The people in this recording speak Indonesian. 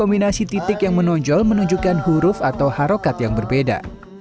setiap titik yang menunjukan huruf atau harokat yang berbeda